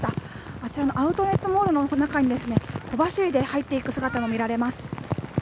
あちらのアウトレットモールの中に小走りで入っていく姿も見られます。